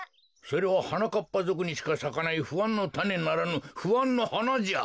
それははなかっぱぞくにしかさかないふあんのたねならぬふあんのはなじゃ。